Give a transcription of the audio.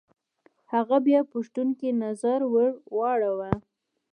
هغه بيا پوښتونکی نظر ور واړوه.